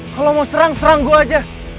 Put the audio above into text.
kalau mau serang serang gue aja